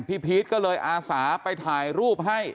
พีชก็เลยอาสาไปถ่ายรูปให้